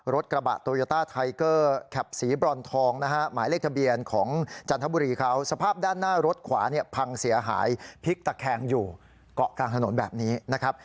รถกระบะโตโยต้าไทเกอร์แคปสีบรอนทองนะฮะหมายเลขทะเบียนของจันทบุรีเขาสภาพด้านหน้ารถขวาเนี่ยพังเสียหายพลิกตะแคงอยู่เกาะกลางถนนแบบนี้นะครับ